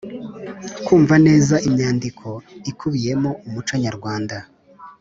kumva neza imyandiko ikubiyemo umuco nyarwanda